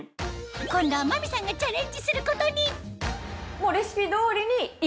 今度は真美さんがチャレンジすることにそうです。